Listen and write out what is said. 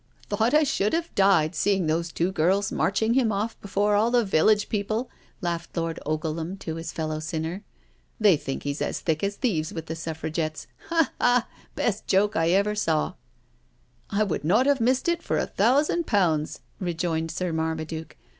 *'" Thought I should have died, seeing those two girls marching him off before all the village people," laughed Lord Ogleham to his fellow sinner. '* They think he's as thick as thieves with the Suffragettes I Ha, ha I Best joke I ever saw I" '* I would not have missed it for a thousand pounds," rejoined Sir Marmaduke.